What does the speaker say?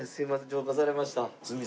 浄化されました。